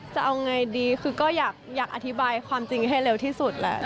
จะเอาไงดีคือก็อยากอธิบายความจริงให้เร็วที่สุดแหละ